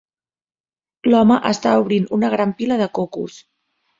L'home està obrint una gran pila de cocos.